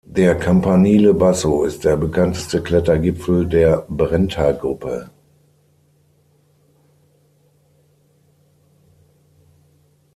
Der Campanile Basso ist der bekannteste Klettergipfel der Brentagruppe.